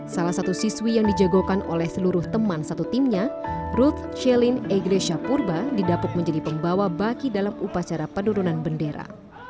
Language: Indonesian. salah satu siswi yang dijagokan oleh seluruh teman satu timnya ruth celin egresha purba didapuk menjadi pembawa baki dalam upacara penurunan bendera